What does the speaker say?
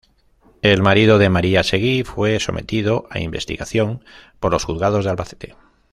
El marido de María Seguí fue sometido a investigación por los juzgados de Albacete.